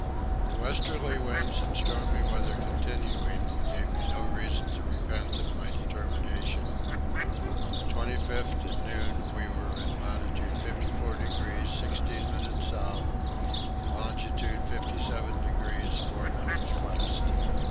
The westerly winds and stormy weather continuing gave me no reason to repent of my determination. On the 25th at noon we were in latitude 54 degrees 16 minutes south and longitude 57 degrees 4 minutes west.